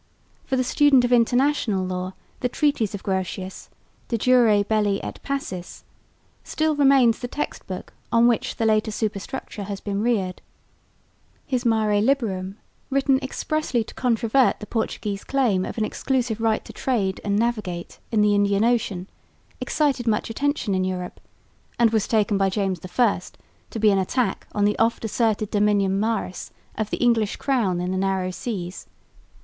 For the student of International Law the treatise of Grotius, De Jure belli et pacis, still remains the text book on which the later superstructure has been reared. His Mare liberum, written expressly to controvert the Portuguese claim of an exclusive right to trade and navigate in the Indian Ocean, excited much attention in Europe, and was taken by James I to be an attack on the oft asserted dominium maris of the English crown in the narrow seas.